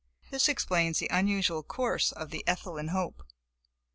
This explains the unusual course of the Ethelyn Hope.